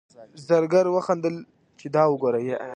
زرګر وخندل چې دا وګوره.